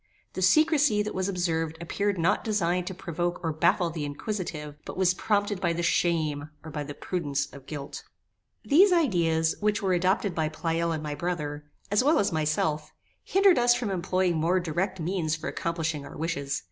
The secrecy that was observed appeared not designed to provoke or baffle the inquisitive, but was prompted by the shame, or by the prudence of guilt. These ideas, which were adopted by Pleyel and my brother, as well as myself, hindered us from employing more direct means for accomplishing our wishes.